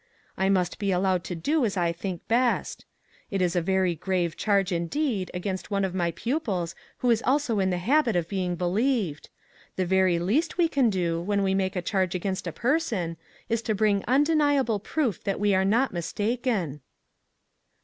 I must be al lowed to do as I think best. It is a very grave charge indeed, against one of my pupils who is also in the habit of being believed. The very least we can do, when we make a charge against a person, is to bring undeniable proof that we are not mistaken."